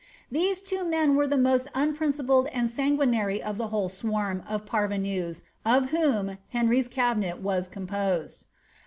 These two men were the most unprincipled and sanguinary of the whole swarm of pturvenues of whom Ueniy^i cabinet was composed.